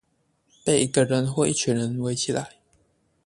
被一個人或一群人圍起來